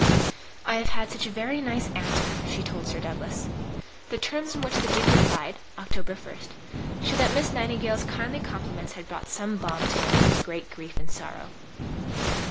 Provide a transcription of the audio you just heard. "I have had such a very nice answer," she told Sir Douglas. The terms in which the Duke replied (Oct. 1) show that Miss Nightingale's kindly compliments had brought some balm to him in his "great grief and sorrow."